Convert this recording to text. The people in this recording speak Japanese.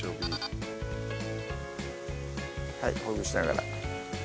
はいほぐしながら。